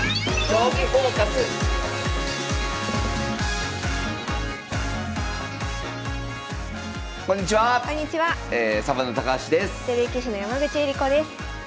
女流棋士の山口恵梨子です。